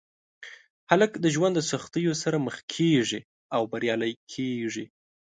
هلک د ژوند د سختیو سره مخ کېږي او بریالی کېږي.